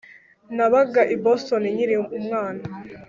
Nabaga i Boston nkiri umwana